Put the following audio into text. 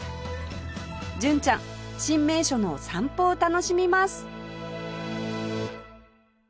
純ちゃん新名所の散歩を楽しみます